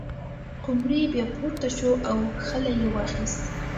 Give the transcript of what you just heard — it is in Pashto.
قمري بیا پورته شوه او خلی یې واخیست.